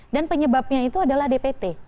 dan penyebabnya itu adalah dpt